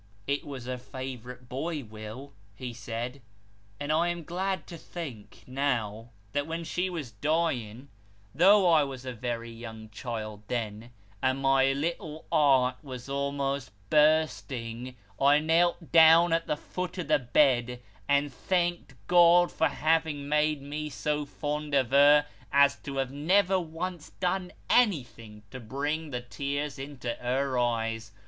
' I was her favourite boy, Will,' he said, ' and I am glad to think, now, that when she was dying, though I was a very young child then, and my little heart was almost bursting, I knelt down at the foot of the bed, and thanked God for having made me so fond of her as to have never once done anything to bring the tears into her eyes.